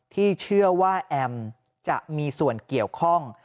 ที่เชื่อว่าแอมจะมีส่วนเกี่ยวข้อง